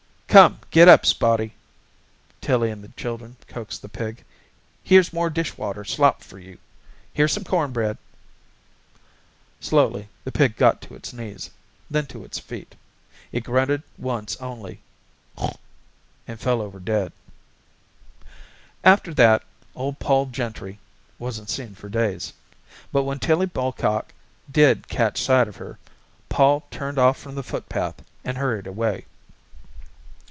"Come, get up, Spotty!" Tillie and the children coaxed the pig. "Here's more dishwater slop for you. Here's some cornbread!" Slowly the pig got to its knees, then to its feet. It grunted once only and fell over dead. After that old Pol Gentry wasn't seen for days. But when Tillie Bocock did catch sight of her, Pol turned off from the footpath and hurried away.